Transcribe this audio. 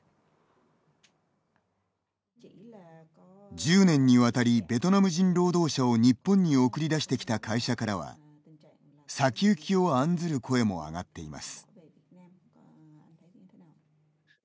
１０年にわたりベトナム人労働者を日本に送り出してきた会社からは先行きを案ずる声も上がっています。